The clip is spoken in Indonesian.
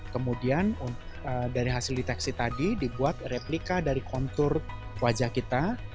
kemudian dari hasil deteksi tadi dibuat replika dari kontur wajah kita